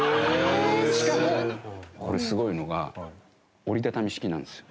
しかもこれすごいのが折り畳み式なんですよ。